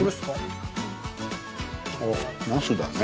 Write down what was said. あっナスだね。